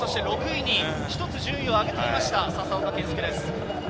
６位に１つ順位を上げてきました、笹岡建介です。